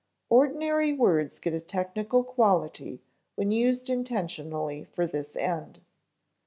Ordinary words get a technical quality when used intentionally for this end.